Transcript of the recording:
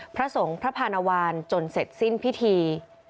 พระสงฆ์พระพานวาลจนเสร็จสิ้นพิธี